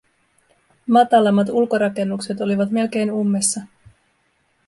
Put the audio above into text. Matalammat ulkorakennukset olivat melkein ummessa.